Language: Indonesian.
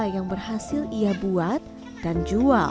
yang berhasil ia buat dan jual